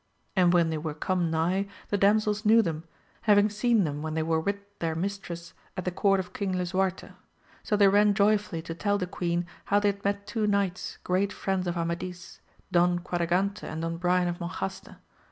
And when they were come nigh the damsels knew them, having seen them when they were with their mistress at the court of King Lisuaxte ; so they ran joyfully to teU the queen how they had met two knights, great friends of Amadis, Don Quadragante and Don Brian of Monjaste.